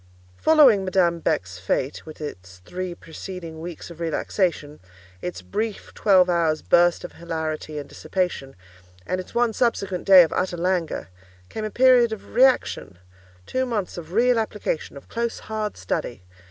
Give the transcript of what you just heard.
Following Madame Beck's fête, with its three preceding weeks of relaxation, its brief twelve hours' burst of hilarity and dissipation, and its one subsequent day of utter languor, came a period of reaction; two months of real application, of close, hard study.